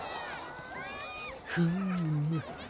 フーム。